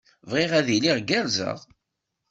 Bɣiɣ ad iliɣ gerrzeɣ.